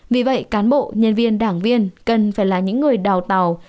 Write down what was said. vì vậy cán bộ nhân viên đảng viên cần phải là những người đào tàu